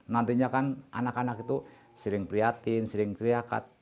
nantinya kan anak anak itu sering prihatin sering teriakan